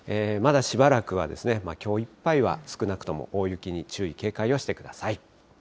まだしばらくは、きょういっぱいは少なくとも大雪に注意、警戒をしてください。